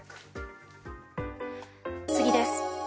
次です。